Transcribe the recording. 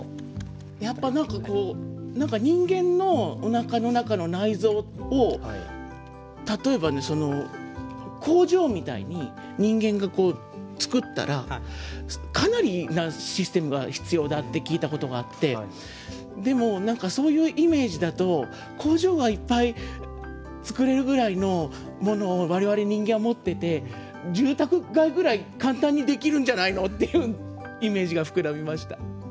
やっぱり何か人間のお腹の中の内臓を例えば工場みたいに人間が作ったらかなりなシステムが必要だって聞いたことがあってでも何かそういうイメージだと工場がいっぱい作れるぐらいのものを我々人間は持ってて住宅街ぐらい簡単にできるんじゃないのっていうイメージが膨らみました。